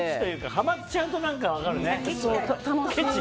ハマっちゃうと何か分かるね。